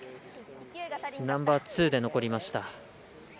ナンバーツーで残りました。